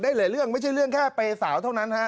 เหลือเรื่องไม่ใช่เรื่องแค่เปย์สาวเท่านั้นฮะ